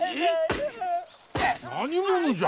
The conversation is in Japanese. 何者じゃ？